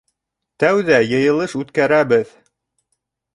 Тәүҙә йыйылыш үткәрәбеҙ!